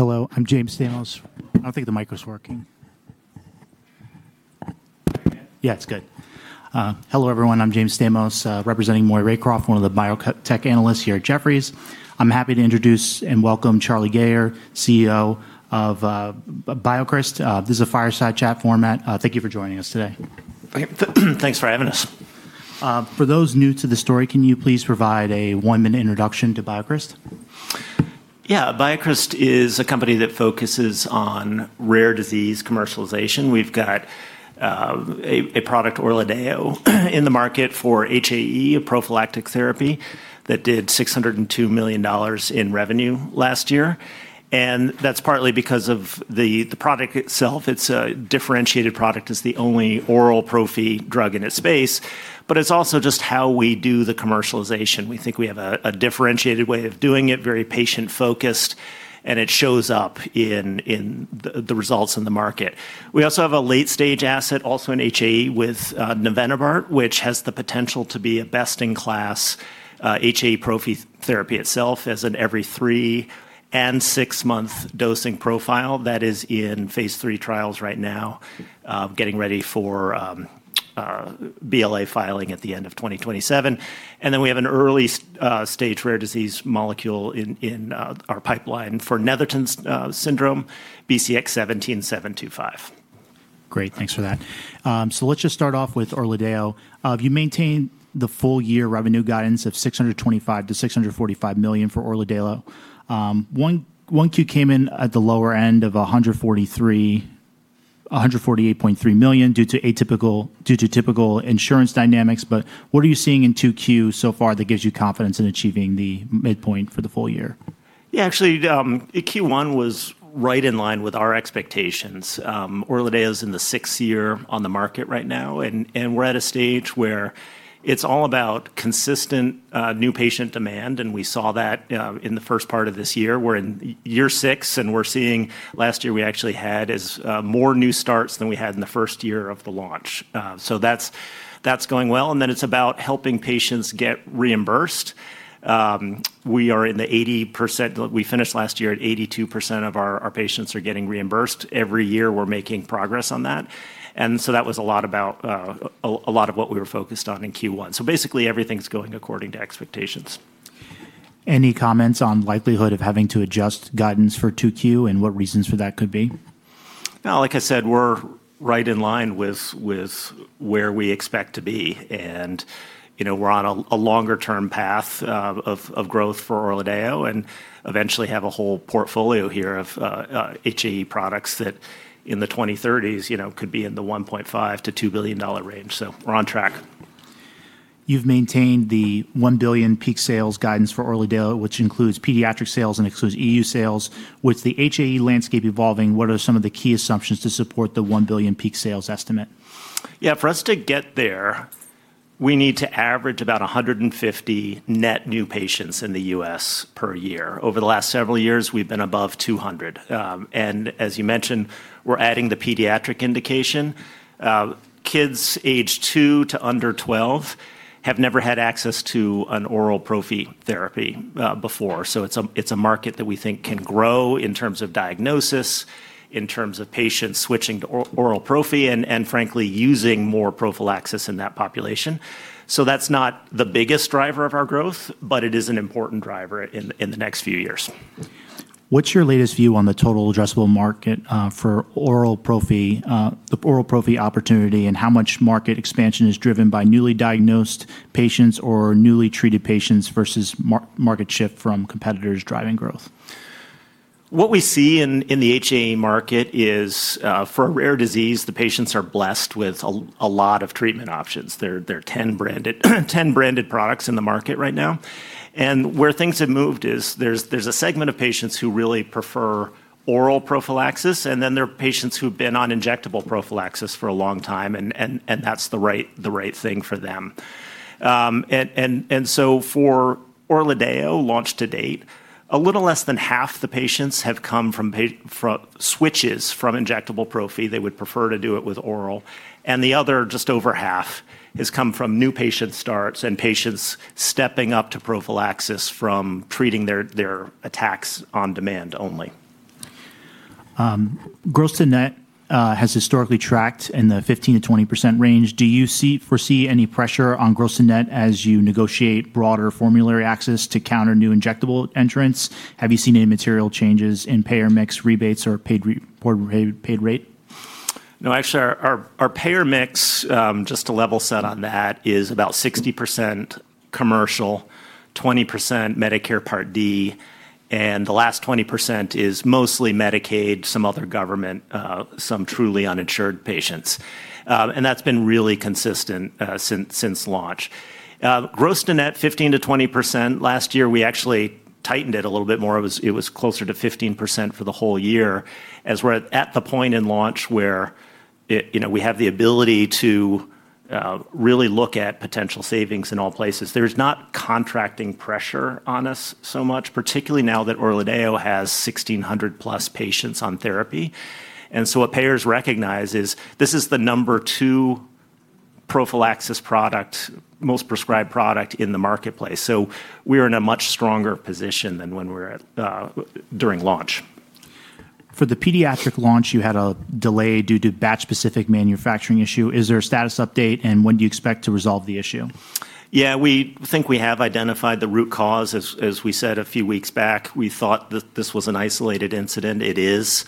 Hello, I'm James Stamos. I don't think the micro's working. There we go. Yeah, it's good. Hello everyone. I'm James D. Stamos, representing Maury Raycroft, one of the biotech analysts here at Jefferies. I'm happy to introduce and welcome Charlie Gayer, CEO of BioCryst. This is a fireside chat format. Thank you for joining us today. Thanks for having us. For those new to the story, can you please provide a one-minute introduction to BioCryst? Yeah. BioCryst is a company that focuses on rare disease commercialization. We've got a product, ORLADEYO, in the market for HAE, a prophylactic therapy, that did $602 million in revenue last year. That's partly because of the product itself. It's a differentiated product. It's the only oral prophy drug in its space. It's also just how we do the commercialization. We think we have a differentiated way of doing it, very patient-focused. It shows up in the results in the market. We also have a late-stage asset also in HAE with navenibart, which has the potential to be a best-in-class HAE prophy therapy itself, as in every three and six-month dosing profile. That is in phase III trials right now, getting ready for BLA filing at the end of 2027. We have an early-stage rare disease molecule in our pipeline for Netherton syndrome, BCX17725. Great, thanks for that. Let's just start off with ORLADEYO. You maintain the full year revenue guidance of $625 million-$645 million for ORLADEYO. 1Q came in at the lower end of $148.3 million due to typical insurance dynamics, what are you seeing in 2Q so far that gives you confidence in achieving the midpoint for the full year? Q1 was right in line with our expectations. ORLADEYO's in the sixth year on the market right now, and we're at a stage where it's all about consistent new patient demand, and we saw that in the first part of this year. We're in year six, and we're seeing last year we actually had more new starts than we had in the first year of the launch. That's going well, and then it's about helping patients get reimbursed. We finished last year at 82% of our patients are getting reimbursed. Every year we're making progress on that. That was a lot of what we were focused on in Q1. Basically everything's going according to expectations. Any comments on likelihood of having to adjust guidance for 2Q, and what reasons for that could be? No, like I said, we're right in line with where we expect to be, and we're on a longer-term path of growth for ORLADEYO, and eventually have a whole portfolio here of HAE products that in the 2030s could be in the $1.5 billion-$2 billion range. We're on track. You've maintained the $1 billion peak sales guidance for ORLADEYO, which includes pediatric sales and excludes EU sales. With the HAE landscape evolving, what are some of the key assumptions to support the $1 billion peak sales estimate? Yeah, for us to get there, we need to average about 150 net new patients in the U.S. per year. Over the last several years, we've been above 200 patients. As you mentioned, we're adding the pediatric indication. Kids age two to under 12 have never had access to an oral prophy therapy before. It's a market that we think can grow in terms of diagnosis, in terms of patients switching to oral prophy, and frankly, using more prophylaxis in that population. That's not the biggest driver of our growth, but it is an important driver in the next few years. What's your latest view on the total addressable market for the oral prophy opportunity, and how much market expansion is driven by newly diagnosed patients or newly treated patients versus market shift from competitors driving growth? What we see in the HAE market is, for a rare disease, the patients are blessed with a lot of treatment options. There are 10 branded products in the market right now. Where things have moved is there's a segment of patients who really prefer oral prophylaxis, and then there are patients who've been on injectable prophylaxis for a long time, and that's the right thing for them. For ORLADEYO launch to date, a little less than half the patients have come from switches from injectable prophy, they would prefer to do it with oral, and the other, just over half, has come from new patient starts and patients stepping up to prophylaxis from treating their attacks on demand only. Gross to net has historically tracked in the 15%-20% range. Do you foresee any pressure on gross to net as you negotiate broader formulary access to counter new injectable entrants? Have you seen any material changes in payer mix rebates or paid rate? No, actually, our payer mix, just to level set on that, is about 60% commercial, 20% Medicare Part D, and the last 20% is mostly Medicaid, some other government, some truly uninsured patients. That's been really consistent since launch. Gross to net 15%-20%. Last year, we actually tightened it a little bit more. It was closer to 15% for the whole year, as we're at the point in launch where we have the ability to really look at potential savings in all places. There's not contracting pressure on us so much, particularly now that ORLADEYO has 1,600+ patients on therapy. What payers recognize is this is the number 2 prophylaxis product, most prescribed product in the marketplace. We're in a much stronger position than when we were during launch. For the pediatric launch, you had a delay due to batch specific manufacturing issue. Is there a status update, and when do you expect to resolve the issue? Yeah, we think we have identified the root cause. As we said a few weeks back, we thought that this was an isolated incident. It is,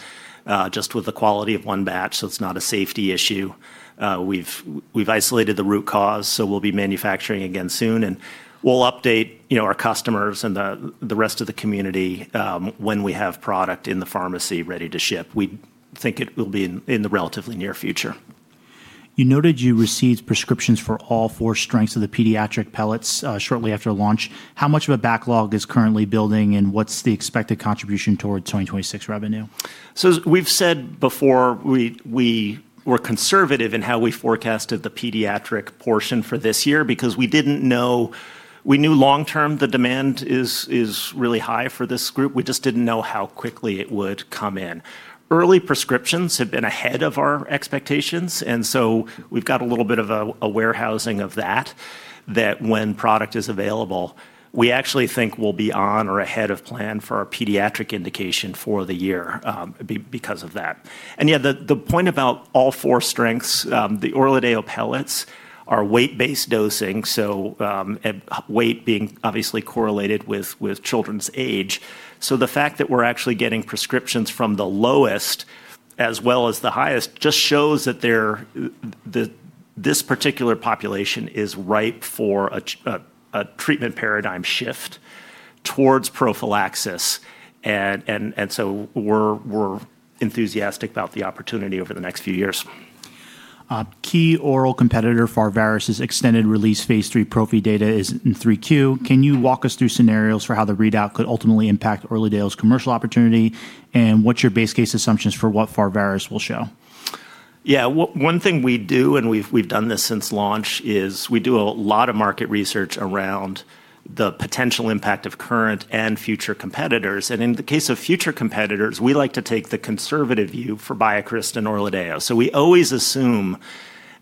just with the quality of one batch, so it's not a safety issue. We've isolated the root cause, so we'll be manufacturing again soon. We'll update our customers and the rest of the community when we have product in the pharmacy ready to ship. We think it will be in the relatively near future. You noted you received prescriptions for all four strengths of the pediatric pellets shortly after launch. How much of a backlog is currently building, and what's the expected contribution towards 2026 revenue? As we've said before, we were conservative in how we forecasted the pediatric portion for this year because we knew long term the demand is really high for this group. We just didn't know how quickly it would come in. Early prescriptions have been ahead of our expectations, we've got a little bit of a warehousing of that when product is available, we actually think we'll be on or ahead of plan for our pediatric indication for the year because of that. Yeah, the point about all four strengths, the ORLADEYO pellets are weight-based dosing, so weight being obviously correlated with children's age. The fact that we're actually getting prescriptions from the lowest as well as the highest just shows that this particular population is ripe for a treatment paradigm shift towards prophylaxis. We're enthusiastic about the opportunity over the next few years. A key oral competitor for Pharvaris's extended-release phase III prophy data is in 3Q. Can you walk us through scenarios for how the readout could ultimately impact ORLADEYO's commercial opportunity? What's your base case assumptions for what Pharvaris will show? Yeah. One thing we do, and we've done this since launch, is we do a lot of market research around the potential impact of current and future competitors. In the case of future competitors, we like to take the conservative view for BioCryst and ORLADEYO. We always assume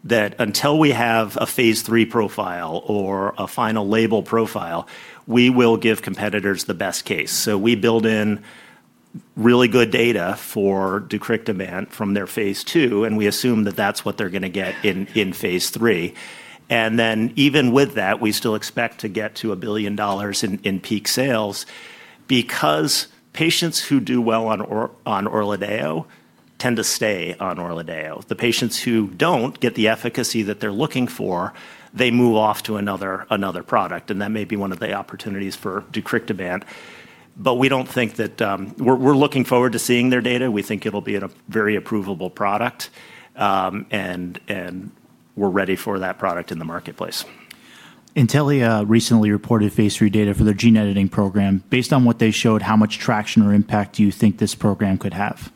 that until we have a phase III profile or a final label profile, we will give competitors the best case. We build in really good data for deucrictibant from their phase II, and we assume that that's what they're going to get in phase III. Even with that, we still expect to get to $1 billion in peak sales because patients who do well on ORLADEYO tend to stay on ORLADEYO. The patients who don't get the efficacy that they're looking for, they move off to another product, and that may be one of the opportunities for deucrictibant demand. But we're looking forward to seeing their data. We think it'll be a very approvable product, and we're ready for that product in the marketplace. Intellia recently reported phase III data for their gene editing program. Based on what they showed, how much traction or impact do you think this program could have?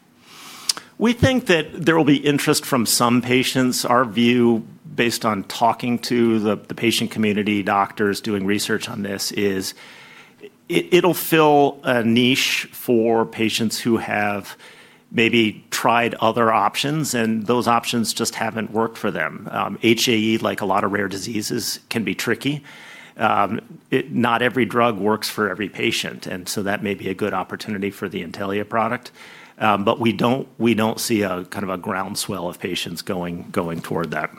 We think that there will be interest from some patients. Our view, based on talking to the patient community, doctors doing research on this, is it'll fill a niche for patients who have maybe tried other options, and those options just haven't worked for them. HAE, like a lot of rare diseases, can be tricky. Not every drug works for every patient, that may be a good opportunity for the Intellia product. We don't see a groundswell of patients going toward that.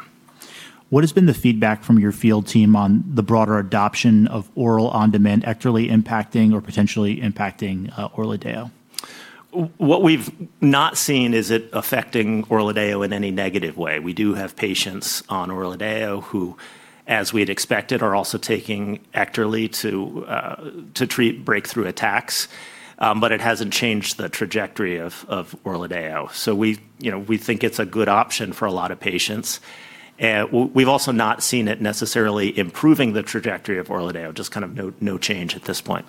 What has been the feedback from your field team on the broader adoption of oral on-demand Ekterly impacting or potentially impacting ORLADEYO? What we've not seen is it affecting ORLADEYO in any negative way. We do have patients on ORLADEYO who, as we'd expected, are also taking Ekterly to treat breakthrough attacks, but it hasn't changed the trajectory of ORLADEYO. We think it's a good option for a lot of patients. We've also not seen it necessarily improving the trajectory of ORLADEYO, just no change at this point.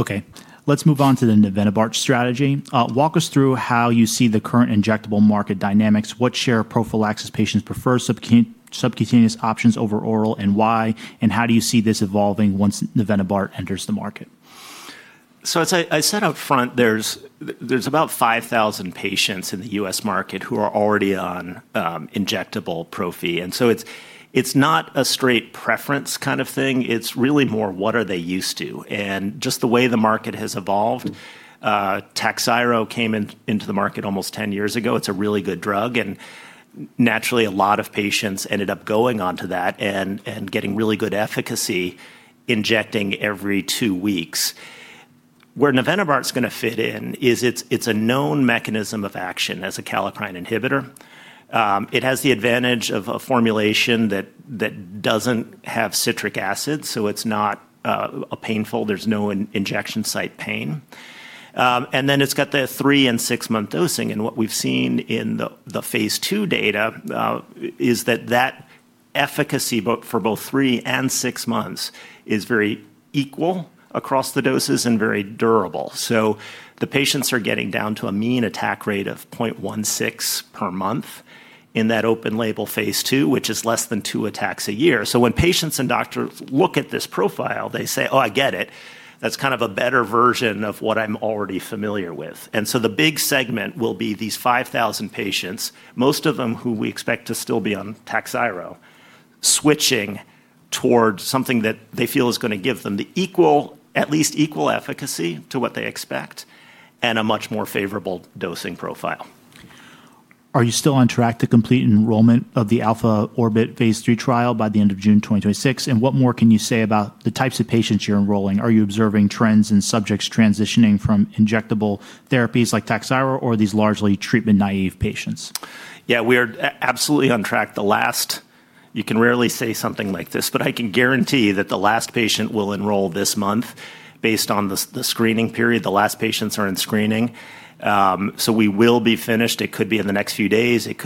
Okay. Let's move on to the navenibart strategy. Walk us through how you see the current injectable market dynamics, what share of prophylaxis patients prefer subcutaneous options over oral, and why, and how do you see this evolving once navenibart enters the market? As I said up front, there's about 5,000 patients in the U.S. market who are already on injectable prophy. It's not a straight preference kind of thing. It's really more, what are they used to? Just the way the market has evolved, Takhzyro came into the market almost 10 years ago. It's a really good drug, and naturally, a lot of patients ended up going onto that and getting really good efficacy injecting every two weeks. Where navenibart's going to fit in is it's a known mechanism of action as a kallikrein inhibitor. It has the advantage of a formulation that doesn't have citric acid, so it's not painful. There's no injection site pain. It's got the three and six-month dosing, and what we've seen in the phase II data, is that efficacy for both three and six months is very equal across the doses and very durable. The patients are getting down to a mean attack rate of 0.16 per month in that open label phase II, which is less than two attacks a year. When patients and doctors look at this profile, they say, "Oh, I get it. That's kind of a better version of what I'm already familiar with." The big segment will be these 5,000 patients, most of them who we expect to still be on Takhzyro, switching towards something that they feel is going to give them at least equal efficacy to what they expect, and a much more favorable dosing profile. Are you still on track to complete enrollment of the ALPHA-ORBIT phase III trial by the end of June 2026? What more can you say about the types of patients you're enrolling? Are you observing trends in subjects transitioning from injectable therapies like Takhzyro, or are these largely treatment-naive patients? Yeah. We are absolutely on track. You can rarely say something like this, I can guarantee that the last patient will enroll this month based on the screening period. The last patients are in screening. We will be finished, it could be in the next few days, it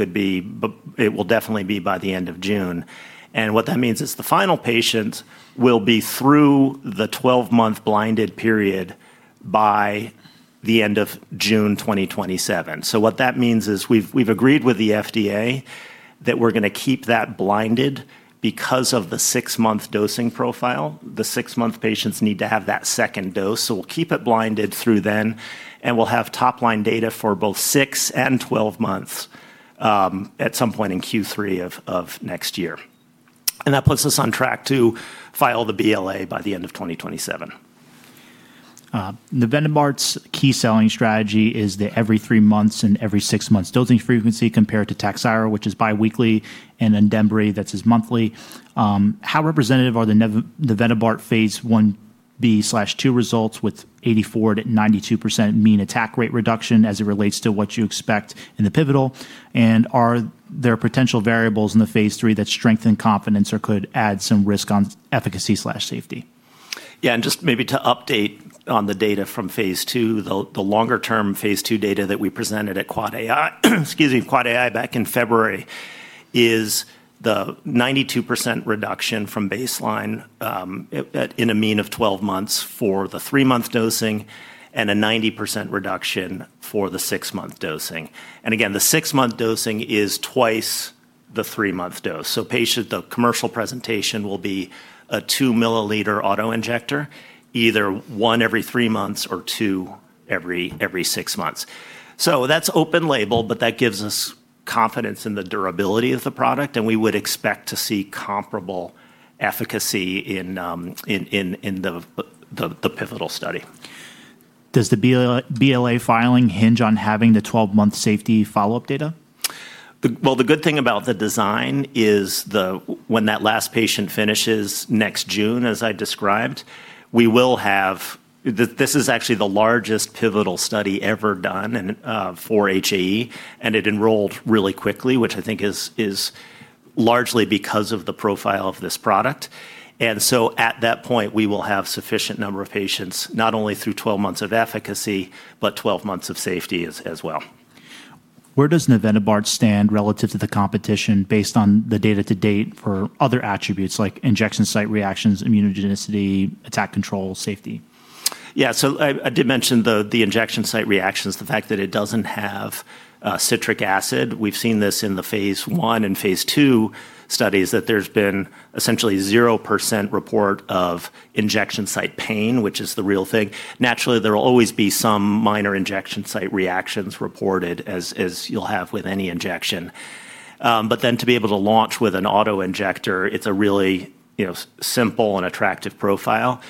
will definitely be by the end of June. What that means is the final patients will be through the 12-month blinded period by the end of June 2027. What that means is we've agreed with the FDA that we're going to keep that blinded because of the six-month dosing profile. The six-month patients need to have that second dose. We'll keep it blinded through then, and we'll have top-line data for both six and 12 months at some point in Q3 of next year. That puts us on track to file the BLA by the end of 2027. navenibart's key selling strategy is the every three months and every six months dosing frequency compared to Takhzyro, which is biweekly, and then Andembry, that's as monthly. How representative are the navenibart phase I-B/II results with 84% to 92% mean attack rate reduction as it relates to what you expect in the pivotal? Are there potential variables in the phase III that strengthen confidence or could add some risk on efficacy/safety? Just maybe to update on the data from phase II, the longer-term phase II data that we presented at AAAAI back in February is the 92% reduction from baseline in a mean of 12 months for the three-month dosing, and a 90% reduction for the six-month dosing. Again, the six-month dosing is twice the three-month dose. The commercial presentation will be a two-milliliter auto-injector, either one every three months or two every six months. That's open label, but that gives us confidence in the durability of the product, and we would expect to see comparable efficacy in the pivotal study. Does the BLA filing hinge on having the 12-month safety follow-up data? Well, the good thing about the design is when that last patient finishes next June, as I described, this is actually the largest pivotal study ever done for HAE, and it enrolled really quickly, which I think is largely because of the profile of this product. At that point, we will have sufficient number of patients, not only through 12 months of efficacy, but 12 months of safety as well. Where does navenibart stand relative to the competition based on the data to date for other attributes like injection site reactions, immunogenicity, attack control, safety? Yeah. I did mention the injection site reactions, the fact that it doesn't have citric acid. We've seen this in the phase I and phase II studies that there's been essentially 0% report of injection site pain, which is the real thing. Naturally, there will always be some minor injection site reactions reported, as you'll have with any injection. To be able to launch with an auto-injector, it's a really simple and attractive profile.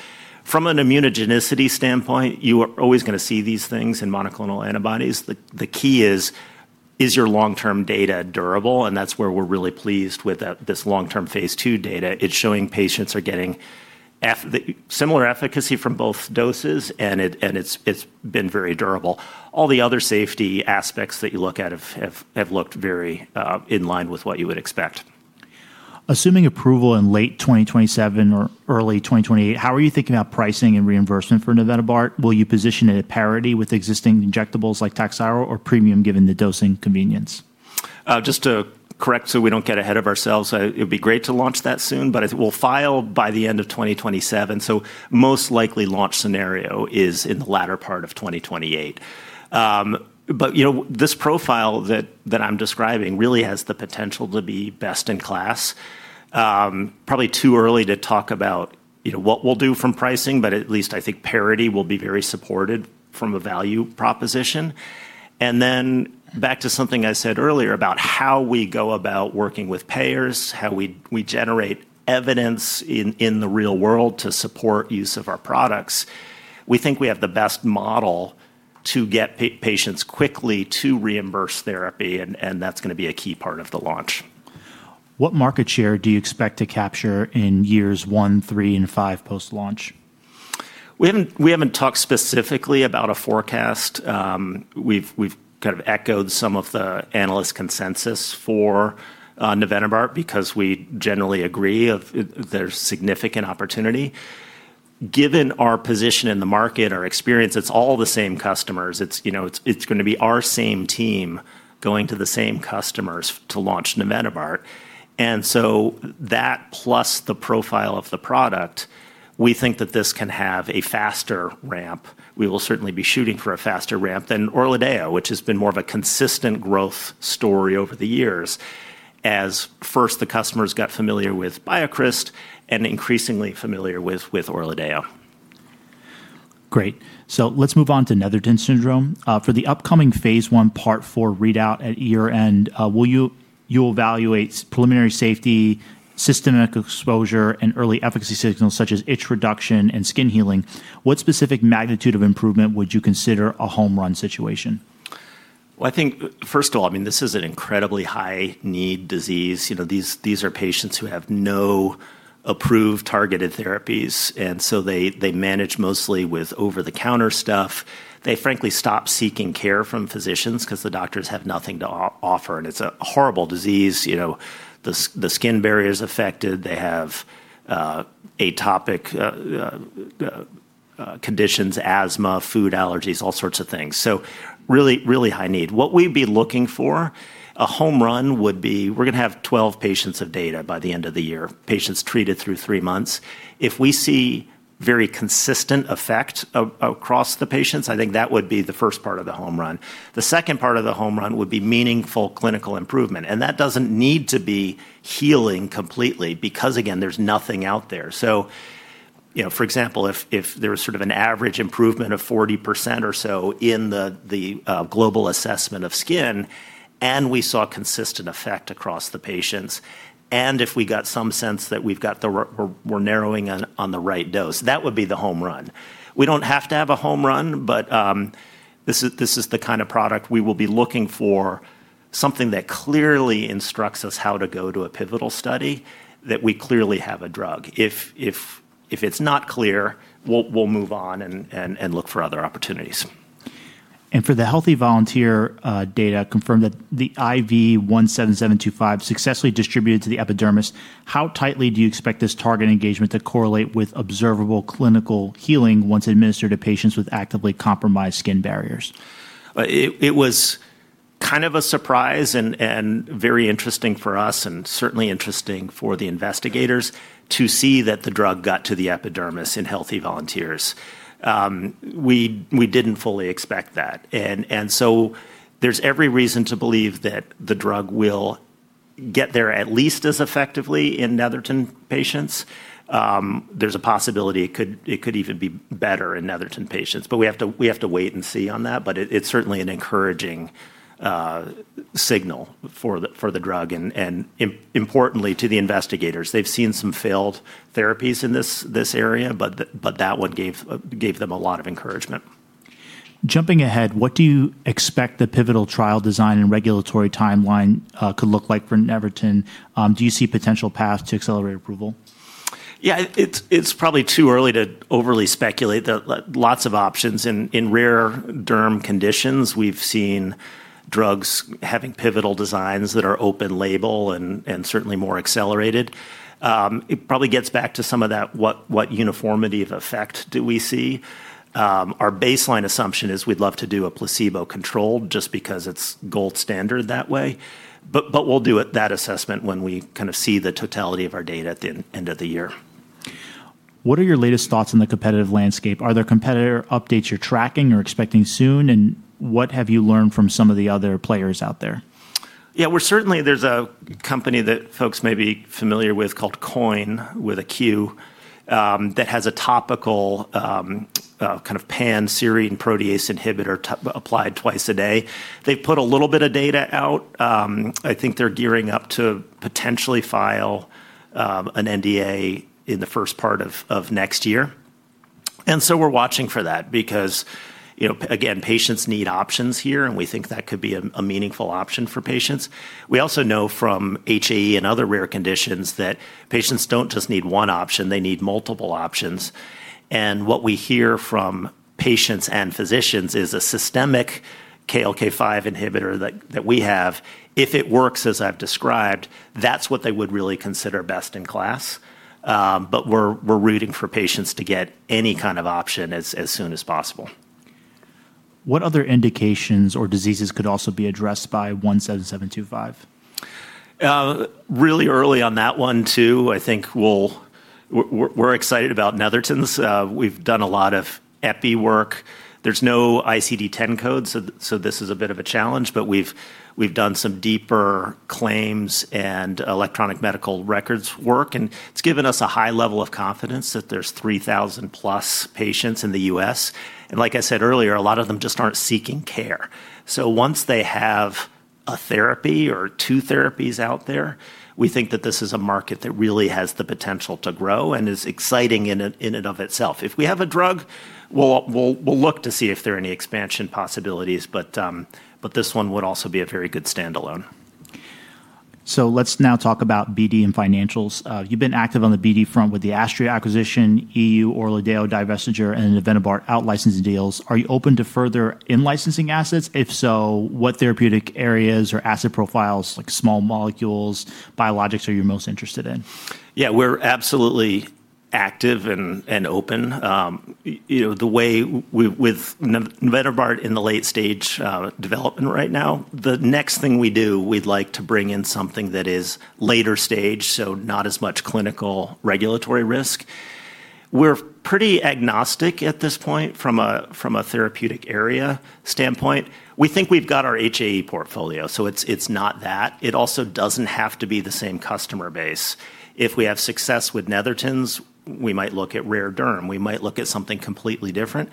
From an immunogenicity standpoint, you are always going to see these things in monoclonal antibodies. The key is your long-term data durable? That's where we're really pleased with this long-term phase II data. It's showing patients are getting similar efficacy from both doses, and it's been very durable. All the other safety aspects that you look at have looked very in line with what you would expect. Assuming approval in late 2027 or early 2028, how are you thinking about pricing and reimbursement for navenibart? Will you position it at parity with existing injectables like Takhzyro or premium, given the dosing convenience? Just to correct so we don't get ahead of ourselves. It'd be great to launch that soon, but we'll file by the end of 2027, so most likely launch scenario is in the latter part of 2028. This profile that I'm describing really has the potential to be best in class. Probably too early to talk about what we'll do from pricing, but at least I think parity will be very supported from a value proposition. Back to something I said earlier about how we go about working with payers, how we generate evidence in the real world to support use of our products. We think we have the best model to get patients quickly to reimburse therapy, and that's going to be a key part of the launch. What market share do you expect to capture in years one, three, and five post-launch? We haven't talked specifically about a forecast. We've kind of echoed some of the analyst consensus for navenibart because we generally agree there's significant opportunity. Given our position in the market, our experience, it's all the same customers. It's going to be our same team going to the same customers to launch navenibart. That plus the profile of the product, we think that this can have a faster ramp. We will certainly be shooting for a faster ramp than ORLADEYO, which has been more of a consistent growth story over the years, as first the customers got familiar with BioCryst and increasingly familiar with ORLADEYO. Great. Let's move on to Netherton syndrome. For the upcoming phase I, Part 4 readout at year-end, you'll evaluate preliminary safety, systemic exposure, and early efficacy signals, such as itch reduction and skin healing. What specific magnitude of improvement would you consider a home run situation? Well, I think, first of all, this is an incredibly high need disease. These are patients who have no approved targeted therapies, and so they manage mostly with over-the-counter stuff. They frankly stop seeking care from physicians because the doctors have nothing to offer, and it's a horrible disease. The skin barrier is affected. They have atopic conditions, asthma, food allergies, all sorts of things. Really high need. What we'd be looking for, a home run would be, we're going to have 12 patients of data by the end of the year, patients treated through three months. If we see very consistent effect across the patients, I think that would be the first part of the home run. The second part of the home run would be meaningful clinical improvement, and that doesn't need to be healing completely because, again, there's nothing out there. For example, if there was sort of an average improvement of 40% or so in the global assessment of skin, and we saw consistent effect across the patients, and if we got some sense that we're narrowing in on the right dose, that would be the home run. We don't have to have a home run, but this is the kind of product we will be looking for, something that clearly instructs us how to go to a pivotal study that we clearly have a drug. If it's not clear, we'll move on and look for other opportunities. For the healthy volunteer data, confirm that the BCX17725 successfully distributed to the epidermis, how tightly do you expect this target engagement to correlate with observable clinical healing once administered to patients with actively compromised skin barriers? It was kind of a surprise, and very interesting for us, and certainly interesting for the investigators to see that the drug got to the epidermis in healthy volunteers. We didn't fully expect that. There's every reason to believe that the drug will get there at least as effectively in Netherton patients. There's a possibility it could even be better in Netherton patients, but we have to wait and see on that, but it's certainly an encouraging signal for the drug, and importantly to the investigators. They've seen some failed therapies in this area, but that one gave them a lot of encouragement. Jumping ahead, what do you expect the pivotal trial design and regulatory timeline could look like for Netherton? Do you see potential path to accelerated approval? Yeah, it's probably too early to overly speculate. There are lots of options in rare derm conditions. We've seen drugs having pivotal designs that are open label and certainly more accelerated. It probably gets back to some of that what uniformity of effect do we see. Our baseline assumption is we'd love to do a placebo control just because it's gold standard that way. We'll do that assessment when we see the totality of our data at the end of the year. What are your latest thoughts on the competitive landscape? Are there competitor updates you're tracking or expecting soon, and what have you learned from some of the other players out there? Certainly there's a company that folks may be familiar with called Quoin, with a Q, that has a topical kind of pan-serine protease inhibitor applied twice a day. They put a little bit of data out. I think they're gearing up to potentially file an NDA in the first part of next year. We're watching for that because, again, patients need options here, and we think that could be a meaningful option for patients. We also know from HAE and other rare conditions that patients don't just need one option, they need multiple options. What we hear from patients and physicians is a systemic KLK5 inhibitor that we have, if it works as I've described, that's what they would really consider best in class. We're rooting for patients to get any kind of option as soon as possible. What other indications or diseases could also be addressed by 17725? Really early on that one, too. We're excited about Netherton's. We've done a lot of epi work. There's no ICD-10 code, so this is a bit of a challenge, but we've done some deeper claims and electronic medical records work, and it's given us a high level of confidence that there's 3,000+ patients in the U.S. Like I said earlier, a lot of them just aren't seeking care. Once they have a therapy or two therapies out there, we think that this is a market that really has the potential to grow and is exciting in and of itself. If we have a drug, we'll look to see if there are any expansion possibilities, but this one would also be a very good standalone. Let's now talk about BD and financials. You've been active on the BD front with the Astria acquisition, EU ORLADEYO divestiture, and navenibart out-licensing deals. Are you open to further in-licensing assets? If so, what therapeutic areas or asset profiles, like small molecules, biologics, are you most interested in? We're absolutely active and open. With navenibart in the late-stage development right now, the next thing we do, we'd like to bring in something that is later stage, so not as much clinical regulatory risk. We're pretty agnostic at this point from a therapeutic area standpoint. We think we've got our HAE portfolio, so it's not that. It also doesn't have to be the same customer base. If we have success with Netherton's, we might look at rare derm. We might look at something completely different.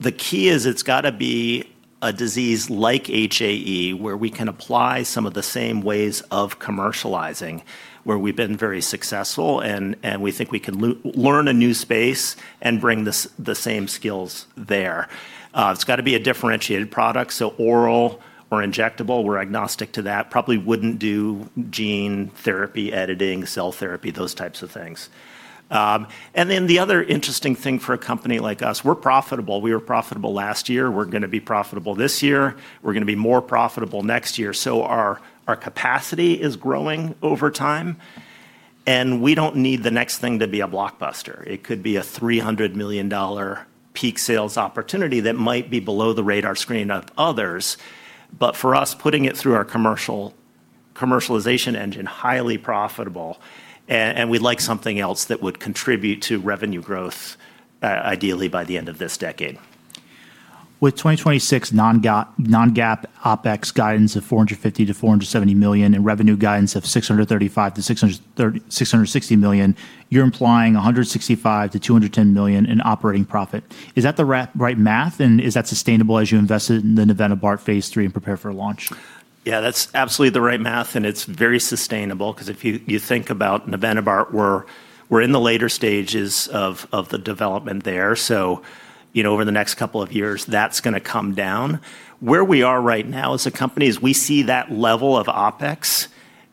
The key is it's got to be a disease like HAE, where we can apply some of the same ways of commercializing, where we've been very successful and we think we can learn a new space and bring the same skills there. It's got to be a differentiated product, so oral or injectable, we're agnostic to that. Probably wouldn't do gene therapy, editing, cell therapy, those types of things. The other interesting thing for a company like us, we're profitable. We were profitable last year. We're going to be profitable this year. We're going to be more profitable next year. Our capacity is growing over time, and we don't need the next thing to be a blockbuster. It could be a $300 million peak sales opportunity that might be below the radar screen of others. For us, putting it through our commercialization engine, highly profitable, and we'd like something else that would contribute to revenue growth, ideally by the end of this decade. With 2026 non-GAAP OpEx guidance of $450 million-$470 million and revenue guidance of $635 million-$660 million, you're implying $165 million-$210 million in operating profit. Is that the right math, and is that sustainable as you invested in the navenibart phase III and prepare for launch? Yeah, that's absolutely the right math, and it's very sustainable because if you think about navenibart, we're in the later stages of the development there. Over the next couple of years, that's going to come down. Where we are right now as a company is we see that level of OPEX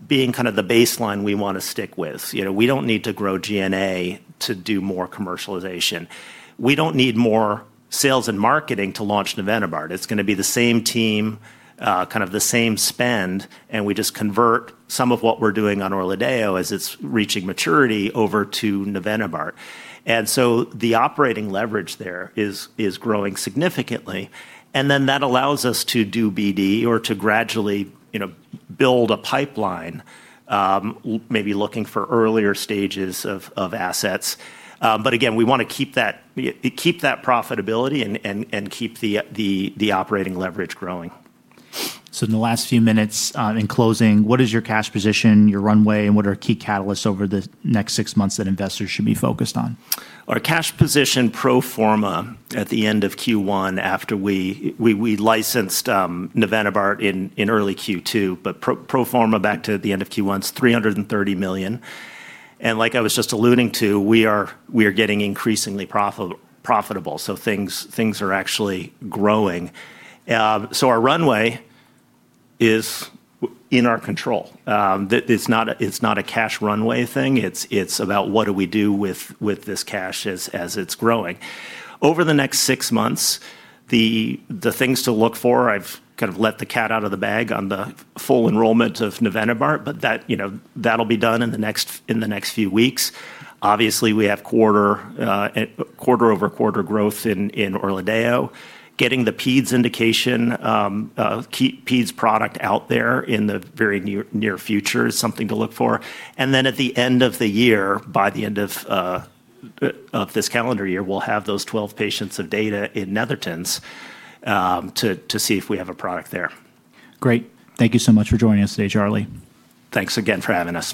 being the baseline we want to stick with. We don't need to grow G&A to do more commercialization. We don't need more sales and marketing to launch navenibart. It's going to be the same team, the same spend, and we just convert some of what we're doing on ORLADEYO as it's reaching maturity over to navenibart. The operating leverage there is growing significantly, and then that allows us to do BD or to gradually build a pipeline, maybe looking for earlier stages of assets. Again, we want to keep that profitability and keep the operating leverage growing. In the last few minutes in closing, what is your cash position, your runway, and what are key catalysts over the next six months that investors should be focused on? Our cash position pro forma at the end of Q1 after we licensed navenibart in early Q2, but pro forma back to the end of Q1 is $330 million. Like I was just alluding to, we are getting increasingly profitable. Things are actually growing. Our runway is in our control. It's not a cash runway thing. It's about what do we do with this cash as it's growing. Over the next six months, the things to look for, I've let the cat out of the bag on the full enrollment of navenibart, but that'll be done in the next few weeks. Obviously, we have quarter-over-quarter growth in ORLADEYO. Getting the peds indication, peds product out there in the very near future is something to look for. At the end of the year, by the end of this calendar year, we'll have those 12 patients of data in Nethertons to see if we have a product there. Great. Thank you so much for joining us today, Charlie. Thanks again for having us.